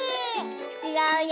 ちがうよ。